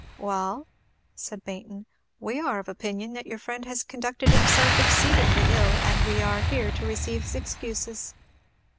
"Well," said Baynton, "we are of opinion your friend has conducted himself exceedingly ill, and we are here to receive his excuses."